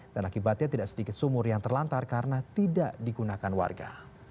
dan akibatnya tidak sedikit sumur yang terlantar karena tidak digunakan warga